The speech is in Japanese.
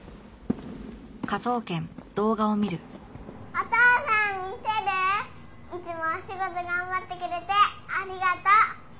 「お父さん見てる？」「いつもお仕事頑張ってくれてありがとう」